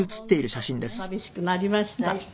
寂しくなりました。